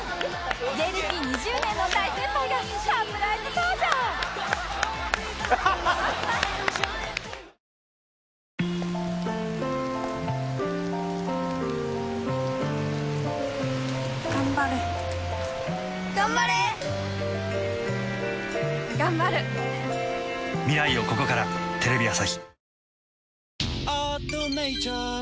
芸歴２０年の大先輩がサプライズ登場！開催！